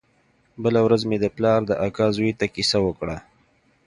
بله ورځ مې د پلار د اکا زوى ته کيسه وکړه.